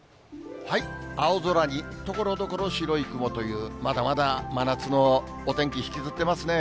青空にところどころ白い雲というまだまだ真夏のお天気、引きずってますね。